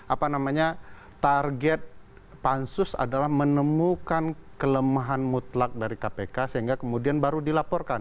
apa namanya target pansus adalah menemukan kelemahan mutlak dari kpk sehingga kemudian baru dilaporkan